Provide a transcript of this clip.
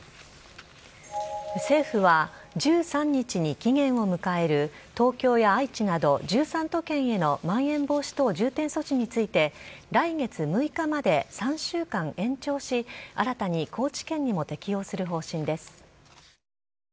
政府は、１３日に期限を迎える東京や愛知など１３都県へのまん延防止等重点措置について、来月６日まで３週間延長し、新たに高知県にも適用する方針です。